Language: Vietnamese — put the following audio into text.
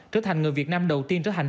trở thành người việt nam đầu tiên trở thành